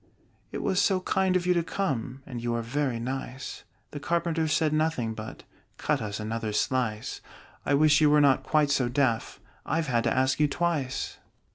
"It was so kind of you to come! And you are very nice!" The Carpenter said nothing but "Cut us another slice: I wish you were not quite so deaf I've had to ask you twice!"